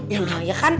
yaudah ya kan